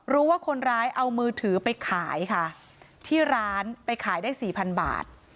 รู้ว่าคนร้ายเอามือถือไปขายค่ะที่ร้านไปขายได้สี่พันบาท